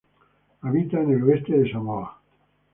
Habita en el oeste de Samoa.